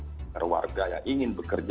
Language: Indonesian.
kami menghimbau meminta warga yang ingin bekerja